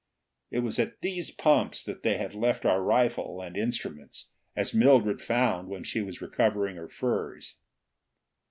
It was at these pumps that they had left our rifle and instruments, as Mildred found when she was recovering her furs.